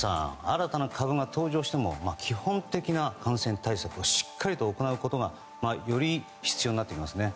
新たな株が登場しても基本的な感染対策をしっかりと行うことがより必要になってきますね。